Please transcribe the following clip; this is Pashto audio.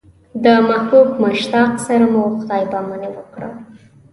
د محبوب مشتاق سره مو خدای پاماني وکړه.